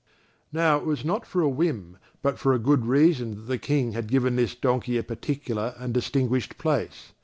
Now, it was not for a whim but for a good reason that the King had given this donkey a particular and distinguished place.